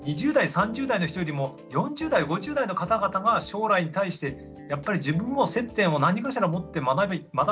２０代３０代の人よりも４０代５０代の方々が将来に対してやっぱり自分も接点を何かしら持って学びたい。